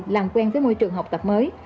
làm quen với môi trường học tập mới